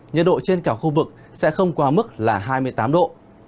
nhật độ trên cả khu vực sẽ không qua mức là hai mươi tám độ